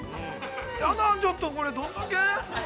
やだあ、ちょっとこれ、どんだけ。